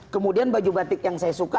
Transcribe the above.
kemudian baju batik yang saya suka